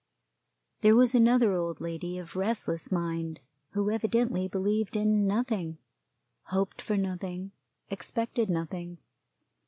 There was another old lady of restless mind, who evidently believed in nothing, hoped for nothing, expected nothing.